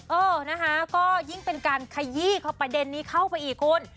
เออนะคะก็ยิ่งเป็นการขยี้ประเด็นนี้เข้าไปอีกคุณ